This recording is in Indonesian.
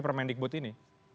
permain digbut ini